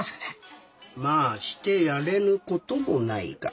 まあしてやれぬ事もないが。